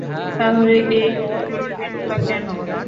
তাহলে এই ধৈর্যহীনতা কেন?